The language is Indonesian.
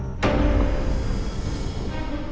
nanti kita ke rumah